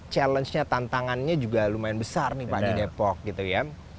challenge nya tantangannya juga lumayan besar nih pak di depok gitu ya